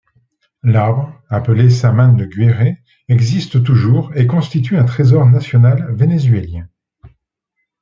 L'arbre, appelé Samán de Güere existe toujours et constitue un trésor national vénézuélien.